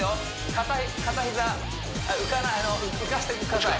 片膝浮かしてください